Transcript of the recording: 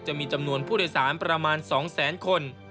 จะมีจำนวนผู้โดยสารประมาณ๒แสนคน